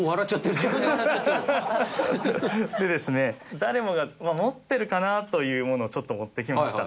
誰もが持ってるかなというものをちょっと持ってきました。